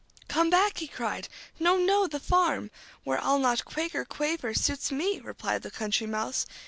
"Come back!" he cried. "No, no! The farm, Where I'll not quake or quaver, Suits me," replied the Country Mouse.